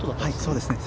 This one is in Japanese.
そうですね。